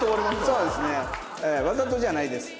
そうですね。わざとじゃないです。